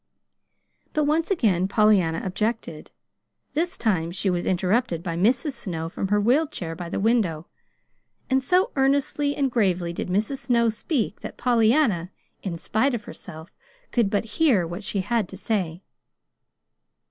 But once again Pollyanna objected. This time she was interrupted by Mrs. Snow from her wheel chair by the window. And so earnestly and gravely did Mrs. Snow speak, that Pollyanna, in spite of herself, could but hear what she had to say.